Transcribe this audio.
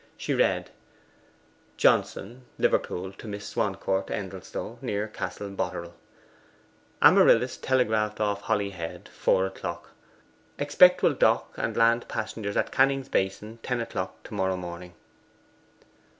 She read: 'Johnson, Liverpool, to Miss Swancourt, Endelstow, near Castle Boterel. 'Amaryllis telegraphed off Holyhead, four o'clock. Expect will dock and land passengers at Canning's Basin ten o'clock to morrow morning.